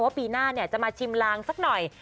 ปีหน้าจะมาชิมลางสักหน่อย